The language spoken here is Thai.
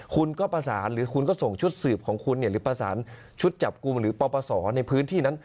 คุณก็ประสานหรือคุณก็ส่งชุดสืบของคุณหรือประสานชุดจับกลุ่มหรือปปศในพื้นที่นั้น